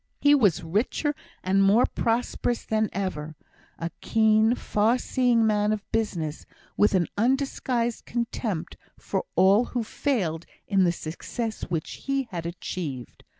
He was richer and more prosperous than ever; a keen, far seeing man of business, with an undisguised contempt for all who failed in the success which he had achieved.